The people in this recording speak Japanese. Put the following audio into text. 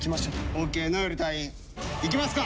オーケー如恵留隊員行きますか！